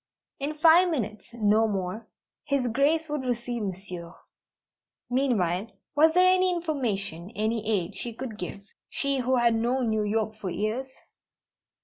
In five minutes no more! His Grace would receive Monsieur. Meanwhile, was there any information, any aid, she could give she who had known New York for years?